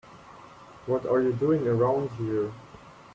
What are you doing around here?